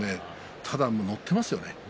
ただ乗っていますよね。